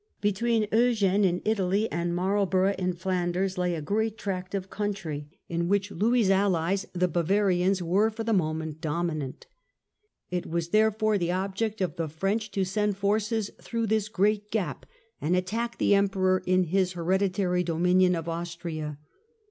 Between Eugene in Italy and Marlborough in Flanders lay a great tract of country, in which Louis' allies, the Bavarians, were for the moment dominant. It was, therefore, the object of the French to send forces through this great gap and attack the emperor in his hereditary dominion of Austria.